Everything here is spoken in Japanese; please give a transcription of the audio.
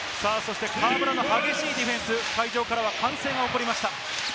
河村の激しいディフェンス、会場からは歓声が起こりました。